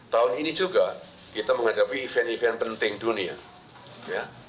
tahun ini juga kita menghadapi event event penting dunia ya